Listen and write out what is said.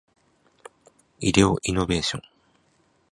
医療イノベーション